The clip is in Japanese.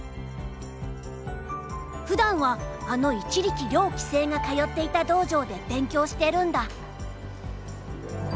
ふだんはあの一力遼棋聖が通っていた道場で勉強してるんだ。